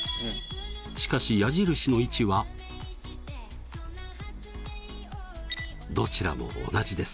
しかし矢印の位置はどちらも同じです。